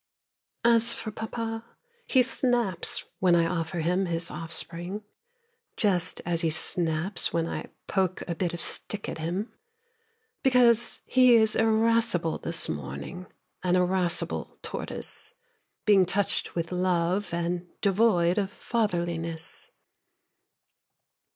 As for papa, He snaps when I offer him his offspring, Just as he snaps when I poke a bit of stick at him, Because he is irascible this morning, an irascible tortoise Being touched with love, and devoid of fatherliness.